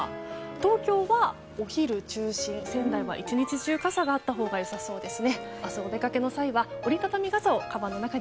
東京はお昼中心仙台は１日中、傘があったほうが良さそうです。